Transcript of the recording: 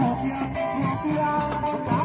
สวัสดีครับทุกคน